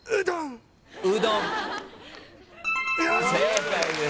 正解です。